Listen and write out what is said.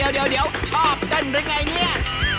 เดี๋ยวชอบกันรึไงเนี่ย